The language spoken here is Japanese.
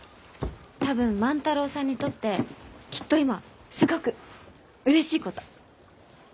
多分万太郎さんにとってきっと今すごくうれしいこと。